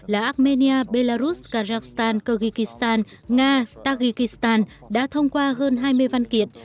là armenia belarus kazakhstan kyrgyzstan nga tajikistan đã thông qua hơn hai mươi văn kiện